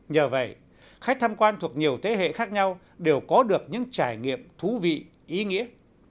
nhờ vậy khách tham quan thuộc nhiều thế hệ khác nhau đều có được những trải nghiệm thú vị ý nghĩa